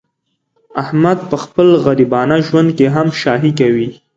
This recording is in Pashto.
احمد په خپل غریبانه ژوند کې هم شاهي کوي.